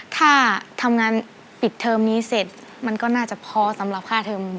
ถ้าทำงานปิดเทอมนี้เสร็จมันก็น่าจะพอสำหรับค่าเทอม